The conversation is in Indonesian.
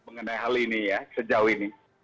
mengenai hal ini ya sejauh ini